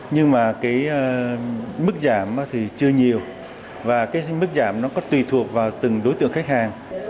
nhưng mà cái mức giảm thì chưa nhiều và cái mức giảm nó có tùy thuộc vào từng đối tượng khách hàng